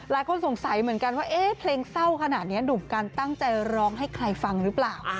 หลายคนสงสัยเหมือนกันว่าเอ๊ะเพลงเศร้าขนาดนี้หนุ่มกันตั้งใจร้องให้ใครฟังหรือเปล่า